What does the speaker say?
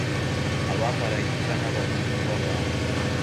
abamarayika nabahungu babantu,